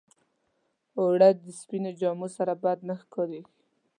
اوړه د سپينو جامو سره بد نه ښکارېږي